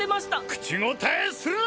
口答えするな！